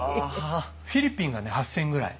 フィリピンが８，０００ぐらい。